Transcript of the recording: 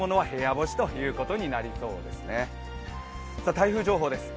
台風情報です。